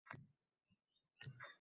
Soʻzlar ekan silab soqolin